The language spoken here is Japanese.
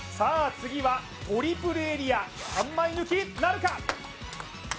次はトリプルエリア３枚抜きなるか？